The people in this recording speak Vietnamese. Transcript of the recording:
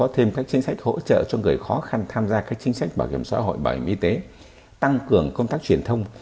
thêm các chính sách hỗ trợ cho người khó khăn tham gia các chính sách bảo hiểm xã hội bảo hiểm y tế tăng cường công tác truyền thông